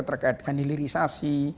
terkait dengan hilirisasi